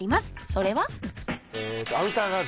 それは？